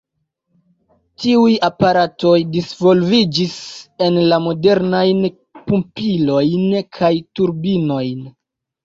Tiuj aparatoj disvolviĝis en la modernajn pumpilojn kaj turbinojn.